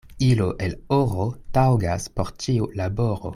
Ilo el oro taŭgas por ĉiu laboro.